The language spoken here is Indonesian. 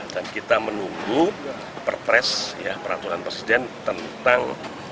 dan kita menunggu perpres peraturan presiden tentang